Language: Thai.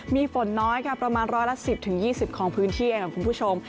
มีฝนน้อยค่ะประมาณร้อยละ๑๐๒๐ของพื้นที่เองคุณผู้ชม